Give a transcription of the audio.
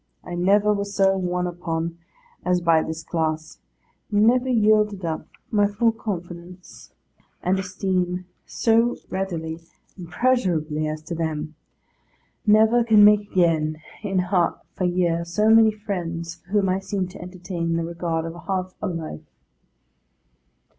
I never was so won upon, as by this class; never yielded up my full confidence and esteem so readily and pleasurably, as to them; never can make again, in half a year, so many friends for whom I seem to entertain the regard of half a life.